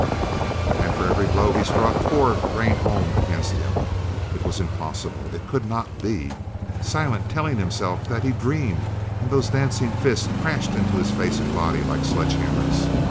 And for every blow he struck four rained home against him. It was impossible! It could not be! Silent telling himself that he dreamed, and those dancing fists crashed into his face and body like sledgehammers.